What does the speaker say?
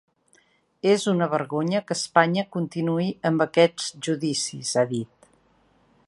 És una vergonya que Espanya continuï amb aquests judicis, ha dit.